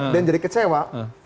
dan jadi kecewa